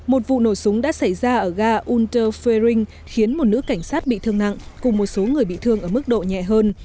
một vụ nổ súng đã xảy ra ở ga under ferring khiến một nữ cảnh sát bị thương nặng cùng một số người bị thương ở mức độ nhẹ hơn